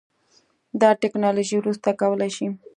دا ټیکنالوژي وروسته کولی شي